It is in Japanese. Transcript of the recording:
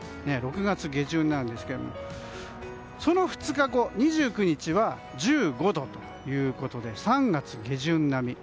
６月下旬なんですがその２日後２９日は１５度ということで３月下旬並み。